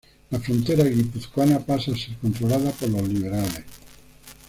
La frontera guipuzcoana pasa a ser controlada por los liberales.